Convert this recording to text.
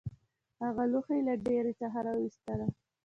هغې لوحه له ډیرۍ څخه راویستله